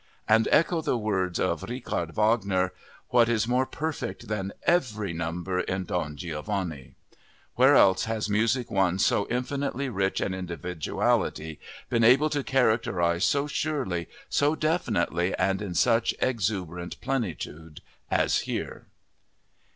And echo the words of Richard Wagner: "What is more perfect than every number in 'Don Giovanni'? Where else has music won so infinitely rich an individuality, been able to characterize so surely, so definitely and in such exuberant plentitude as here?"